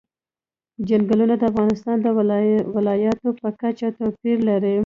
چنګلونه د افغانستان د ولایاتو په کچه توپیر لري.